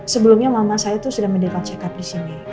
sebelumnya mama saya tuh sudah medical check up disini